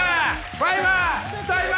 ファイバー！